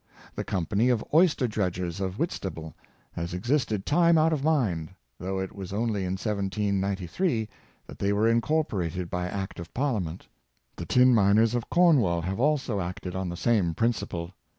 The company of oyster dredgers of Whitstable " has existed time out of mind," though it Successful Co operation, 427 was only in 1793 that they were incorporated by act of Parliament. The tin miners of Cornwall have also acted on the same principle.